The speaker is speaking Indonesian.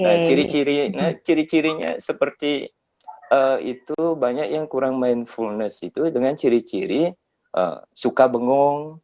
nah ciri cirinya ciri cirinya seperti itu banyak yang kurang mindfulness itu dengan ciri ciri suka bengong